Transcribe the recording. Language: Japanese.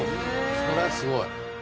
それはすごい。